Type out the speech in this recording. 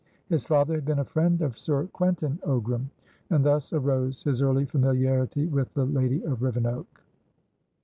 His father had been a friend of Sir Quentin Ogram; and thus arose his early familiarity with the lady of Rivenoak.